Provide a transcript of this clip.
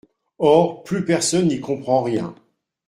Or plus personne n’y comprend rien.